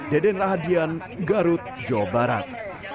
deden rahadian garut jawa barat